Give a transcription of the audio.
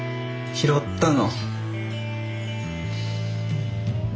拾ったの。